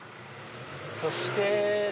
そして。